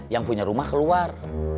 yang punya rumah keluar